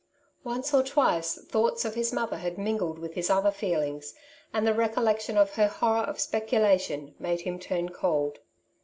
Once or twice thoughts of his mother had mingled with his other feelings, and the recollection of her horror of speculation made him turn cold.